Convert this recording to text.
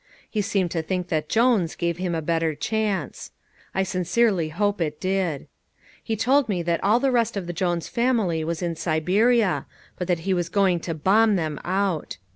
He seemed to think that Jones gave him a better chance. I sincerely hope it did. He told me that all the rest of the Jones family was in Siberia, but that he was going to bomb them out!